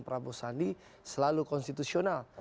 prabowo sandi selalu konstitusional